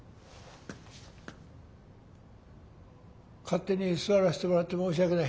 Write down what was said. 勝手に座らせてもらって申し訳ない。